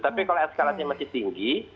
tapi kalau eskalasi masih tinggi